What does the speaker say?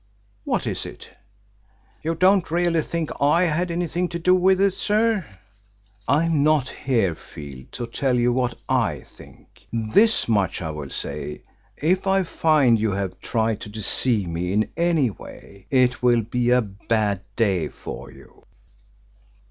"What is it?" "You don't really think I had anything to do with it, sir?" "I'm not here, Field, to tell you what I think. This much I will say: If I find you have tried to deceive me in any way it will be a bad day for you."